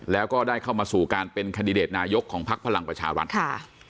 แล้วก็ได้เข้ามาสู่การเป็นคันดิเดตนายกของพักพลังประชารัฐค่ะ